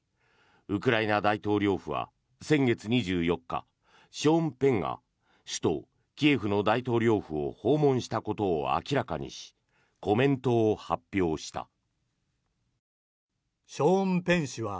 ウクライナ大統領府は先月２４日ショーン・ペンが首都キエフの大統領府を訪問したことを明らかにしコメントを発表した。